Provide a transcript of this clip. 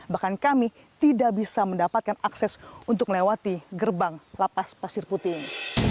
bahkan kami tidak bisa mendapatkan akses untuk melewati gerbang lapas pasir putih ini